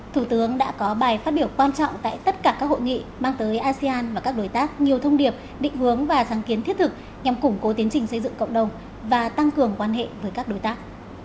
thủ tướng đã có bài phát biểu quan trọng tại tất cả các hội nghị mang tới asean và các đối tác nhiều thông điệp định hướng và sáng kiến thiết thực nhằm củng cố tiến trình xây dựng cộng đồng và tăng cường quan hệ với các đối tác